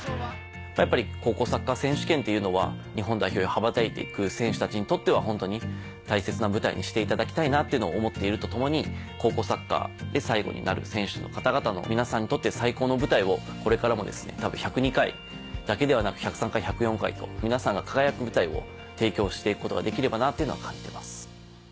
やっぱり高校サッカー選手権っていうのは日本代表へ羽ばたいていく選手たちにとってはホントに大切な舞台にしていただきたいなっていうのを思っているとともに高校サッカーで最後になる選手の方々の皆さんにとって最高の舞台をこれからも１０２回だけではなく１０３回１０４回と皆さんが輝く舞台を提供していくことができればなっていうのは感じてます。